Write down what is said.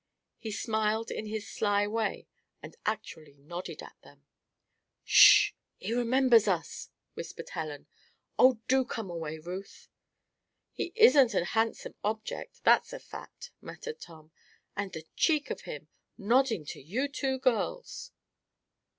He smiled in his sly way and actually nodded at them. "Sh! he remembers us," whispered Helen. "Oh, do come away, Ruth!" "He isn't any handsome object, that's a fact," muttered Tom. "And the cheek of him nodding to you two girls!"